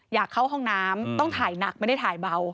อยากเข้าห้องน้ำต้องถ่ายหนักไม่ได้ถ่ายเบา